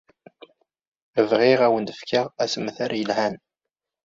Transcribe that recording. Bɣiɣ ad awen-d-fkeɣ assemter yelhan.